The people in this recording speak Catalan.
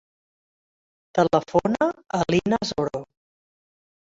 Telefona a l'Inas Oro.